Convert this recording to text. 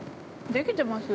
◆できてます？